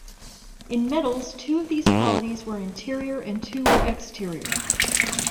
In metals two of these qualities were interior and two were exterior.